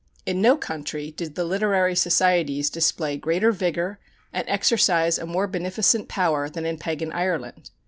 In no country did the literary societies display greater vigor and exercise a more beneficent power than in pagan Ireland.